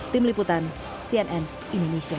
tim liputan cnn indonesia